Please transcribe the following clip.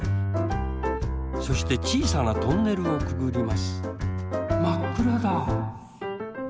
そしてちいさなトンネルをくぐりますまっくらだ。